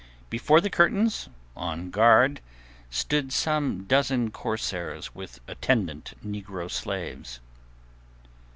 Before the curtains, on guard, stood some dozen corsairs with attendant negro slaves.